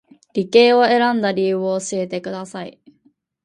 理系を選んだ理由を教えてください